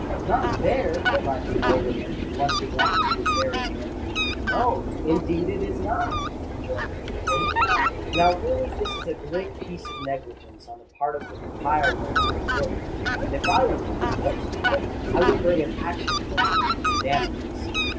"Not there!" cried the nobleman, blushing up to his very hair. "No—indeed it is not!" rejoined Egerton. "Now really this is a great piece of negligence on the part of the compiler of the work; and if I were you, Dunstable, I would bring an action against him for damages.